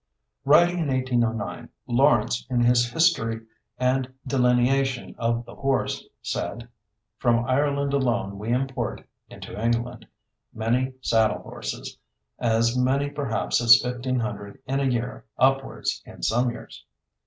Writing in 1809, Lawrence, in his History and Delineation of the Horse, said: "From Ireland alone we import [into England] many saddle horses, as many perhaps as 1,500 in a year; upwards in some years.